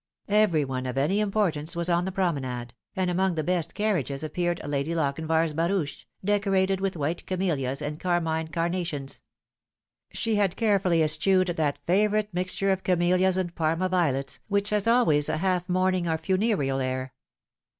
Every one of any importance was on the promenade, and among the best carriages appeared Lady Lochinvar's barouche, decorated with white camellias and carmine carnations. She had carefully eschewed that favourite mixture of camellias and Parma violets which has always a half mourning or funereal air.